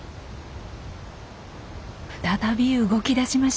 再び動き出しました。